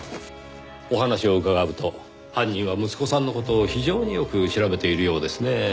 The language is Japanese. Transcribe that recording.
お話を伺うと犯人は息子さんの事を非常によく調べているようですねぇ。